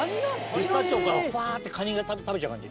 ピスタチオからふわぁって蟹が食べちゃう感じ。